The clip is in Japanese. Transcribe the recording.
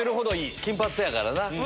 金髪やからな。